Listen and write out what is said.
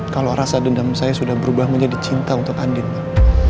kalau rasa dendam saya sudah berubah menjadi cinta untuk andina